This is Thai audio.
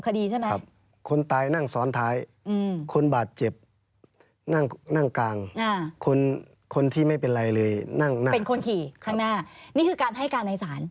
ชีวิตถึงวิธีข้างหน้านี่คือการให้การในสาร